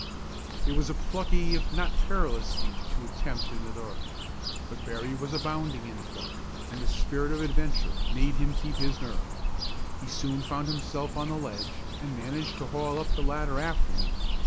It was a plucky if not perilous feat to attempt in the dark. But Berry was abounding in pluck, and the spirit of the adventure made him keep his nerve. He soon found himself on the ledge, and managed to haul up the ladder after him.